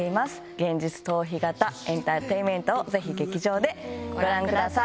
現実逃避型エンターテインメントをぜひ劇場でご覧ください。